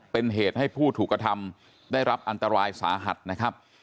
เป็นเหตุให้ผู้ถูกกระทำได้รับอันตรายสาหัสนะครับ